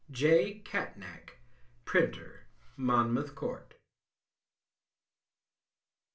J. Catnach, Printer, Monmouth Court.